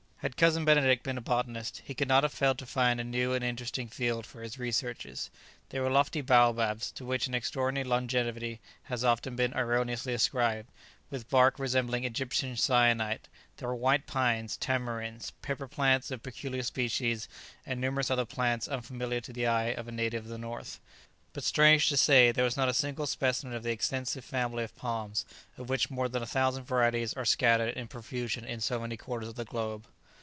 Had Cousin Benedict been a botanist, he could not have failed to find a new and interesting field for his researches; there were lofty baobabs (to which an extraordinary longevity has often been erroneously ascribed), with bark resembling Egyptian syenite; there were white pines, tamarinds, pepper plants of peculiar species, and numerous other plants unfamiliar to the eye of a native of the North; but, strange to say, there was not a single specimen of the extensive family of palms, of which more than a thousand varieties are scattered in profusion in so many quarters of the globe.